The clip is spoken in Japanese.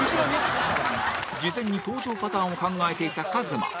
事前に、登場パターンを考えていたＫＡＺＭＡ